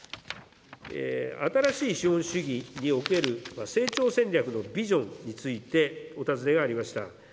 新しい資本主義における成長戦略のビジョンについてお尋ねがありました。